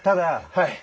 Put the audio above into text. はい。